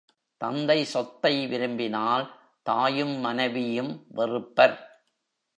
தந்தை சொத்தை விரும்பினால் தாயும் மனைவியும் வெறுப்பர்.